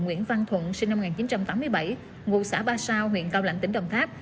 nguyễn văn thuận sinh năm một nghìn chín trăm tám mươi bảy ngụ xã ba sao huyện cao lãnh tỉnh đồng tháp